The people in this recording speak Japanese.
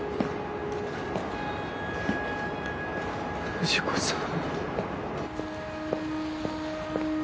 藤子さん。